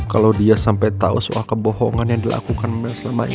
kalau dia sampai tahu soal kebohongan yang dilakukan selama ini